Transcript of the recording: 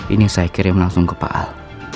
ini saya kirim langsung ke pak al